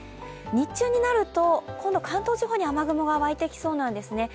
日中になると今度、関東地方に雨雲が湧いてきそうなんですね。